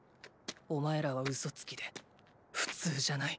お前らはウソつきで普通じゃない。